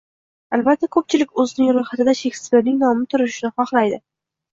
Albatta, ko‘pchilik o‘zining ro‘yxatida Shekspirning nomi turishini xohlaydi.